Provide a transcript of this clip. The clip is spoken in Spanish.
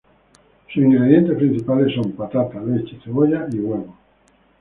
Sus ingredientes principales son: patata, leche, cebolla y huevo.